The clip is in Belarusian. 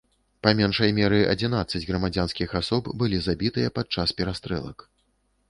Па меншай меры адзінаццаць грамадзянскіх асоб былі забітыя падчас перастрэлак.